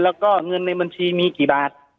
แล้วก็เงินในบัญชีมีกี่บาท